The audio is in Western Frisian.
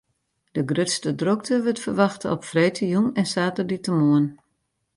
De grutste drokte wurdt ferwachte op freedtejûn en saterdeitemoarn.